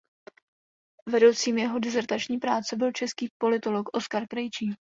Vedoucím jeho disertační práce byl český politolog Oskar Krejčí.